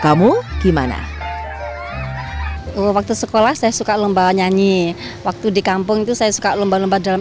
kamu gimana waktu sekolah saya suka lembawa nyanyi waktu di kampung itu saya suka lembar lembar dalam